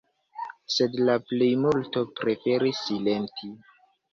Sed la plejmulto preferis silenti.